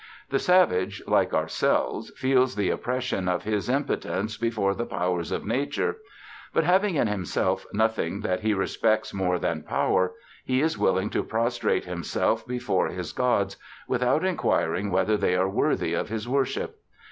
The savage, like ourselves, feels the oppression of his impotence before the powers of Nature; but having in himself nothing that he respects more than Power, he is willing to prostrate himself before his gods, without inquiring whether they are worthy of his worship.